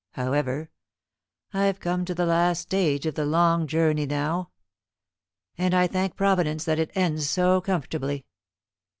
However, I've come to the last stage of the long journey now, and I thank Providence that it ends so comfortably."